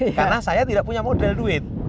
karena saya tidak punya modal duit